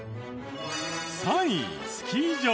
３位スキー場。